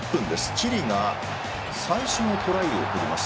チリが最初のトライをとります。